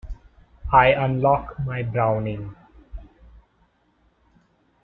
I unlock my Browning!